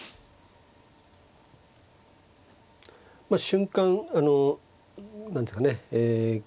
まあ瞬間あの何ていうかねえ